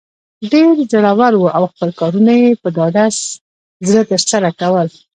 ډیر زړه ور وو او خپل کارونه یې په ډاډه زړه تر سره کول.